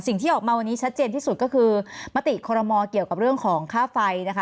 สิ่งที่ออกมาวันนี้ชัดเจนที่สุดก็คือมติคอรมอเกี่ยวกับเรื่องของค่าไฟนะคะ